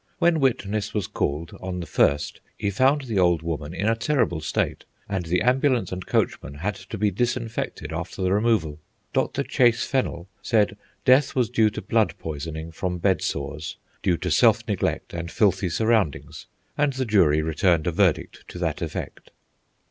When witness was called, on the 1st, he found the old woman in a terrible state, and the ambulance and coachman had to be disinfected after the removal. Dr. Chase Fennell said death was due to blood poisoning from bed sores, due to self neglect and filthy surroundings, and the jury returned a verdict to that effect.